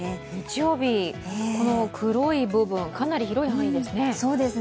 日曜日、黒い部分、かなり広い範囲ですね。